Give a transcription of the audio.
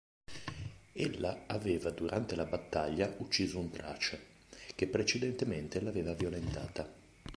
Ella aveva durante la battaglia ucciso un trace, che precedentemente l'aveva violentata.